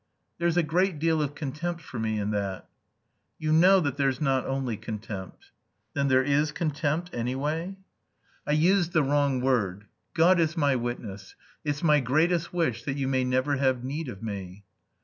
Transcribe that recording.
"There's a great deal of contempt for me in that." "You know that there's not only contempt." "Then there is contempt, anyway?" "I used the wrong word. God is my witness, it's my greatest wish that you may never have need of me."